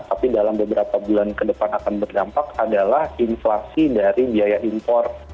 tapi dalam beberapa bulan ke depan akan berdampak adalah inflasi dari biaya impor